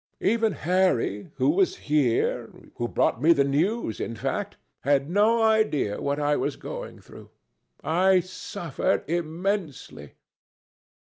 Even Harry, who was here, who brought me the news, in fact, had no idea what I was going through. I suffered immensely.